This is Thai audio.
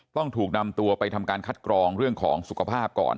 ต้องถูกนำตัวไปทำการคัดกรองเรื่องของสุขภาพก่อน